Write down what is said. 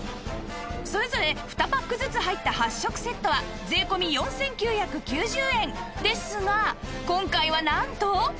それぞれ２パックずつ入った８食セットは税込４９９０円ですが今回はなんと